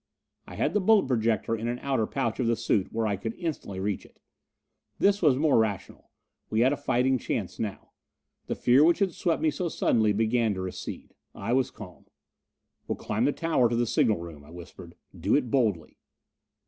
I had the bullet projector in an outer pouch of the suit where I could instantly reach it. This was more rational: we had a fighting chance now. The fear which had swept me so suddenly began to recede. I was calm. "We'll climb the tower to the signal room," I whispered. "Do it boldly."